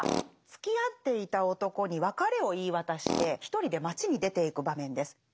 つきあっていた男に別れを言い渡して一人で街に出ていく場面です。